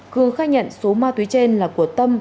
cường khai nhận số ma túy trên là của tâm